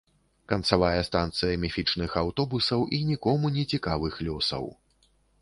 Канцавая станцыя міфічных аўтобусаў і нікому не цікавых лёсаў.